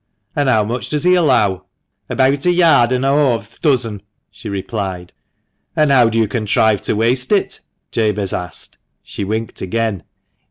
"And how much does he allow?" "Abeawt a yard an' a hauve th' dozen," she replied. "And how do you contrive to waste it?" Jabez asked. She winked again.